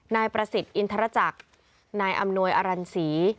นายประสิทธิ์อินทรจักรนายอำนวยอรันศรี